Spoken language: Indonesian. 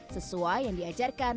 sesuai yang diajarkan